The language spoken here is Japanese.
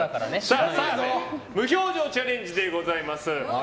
澤部無表情チャレンジでございます。